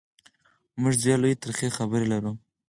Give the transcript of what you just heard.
موږ درې لویې ترخې خبرې لرو: